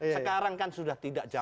sekarang kan sudah tidak jauh